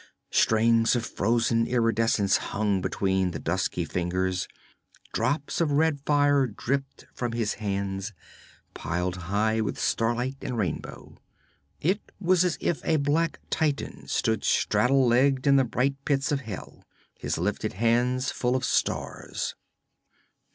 Strings of frozen iridescence hung between his dusky fingers; drops of red fire dripped from his hands, piled high with starlight and rainbow. It was as if a black titan stood straddle legged in the bright pits of hell, his lifted hands full of stars.